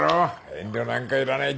遠慮なんかいらない。